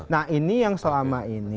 nah ini yang selama ini